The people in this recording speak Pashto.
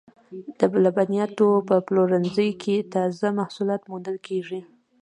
د لبنیاتو په پلورنځیو کې تازه محصولات موندل کیږي.